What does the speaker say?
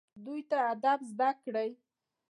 دوی ته ادب زده کړئ